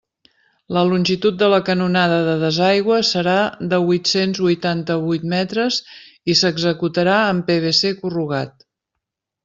La longitud de la canonada de desaigüe serà de huit-cents huitanta-huit metres i s'executarà amb PVC corrugat.